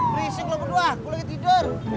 berisik lo berdua gue lagi tidur